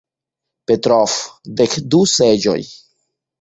Petrov "Dek du seĝoj".